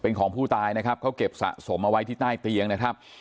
เป็นของผู้ตายนะครับเขาเก็บสะสมเอาไว้ที่ใต้เตียงนะครับ